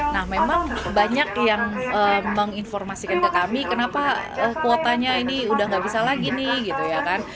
nah memang banyak yang menginformasikan ke kami kenapa kuotanya ini udah gak bisa lagi nih gitu ya kan